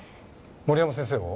森山先生を？